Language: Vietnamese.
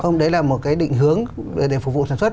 ông đấy là một cái định hướng để phục vụ sản xuất